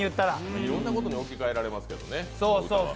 いろんなことに置き換えられますよね。